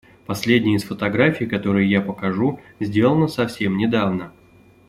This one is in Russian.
Последняя из фотографий, которые я покажу, сделана совсем недавно.